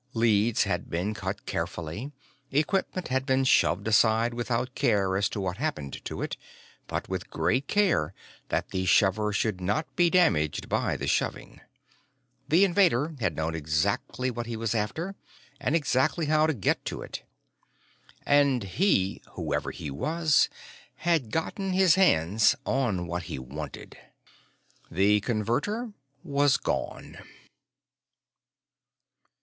Leads had been cut carefully; equipment had been shoved aside without care as to what happened to it, but with great care that the shover should not be damaged by the shoving; the invader had known exactly what he was after, and exactly how to get to it. And he whoever he was had gotten his hands on what he wanted. The Converter was gone.